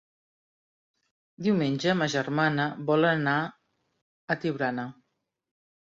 Diumenge ma germana vol anar a Tiurana.